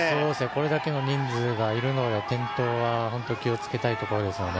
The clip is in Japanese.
これだけの人数がいるので、転倒は本当に気をつけたいところですよね。